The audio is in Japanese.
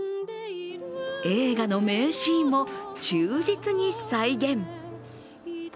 映画の名シーンも、忠実に再現。